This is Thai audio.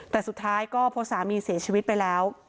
แต่สุดท้ายก็พอสามีเสียชีวิตไปแล้ว